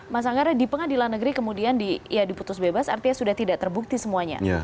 mas anggara di pengadilan negeri kemudian ya diputus bebas artinya sudah tidak terbukti semuanya